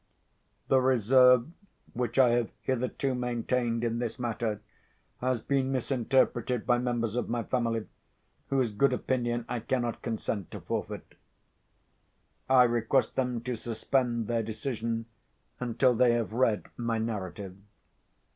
The reserve which I have hitherto maintained in this matter has been misinterpreted by members of my family whose good opinion I cannot consent to forfeit. I request them to suspend their decision until they have read my narrative.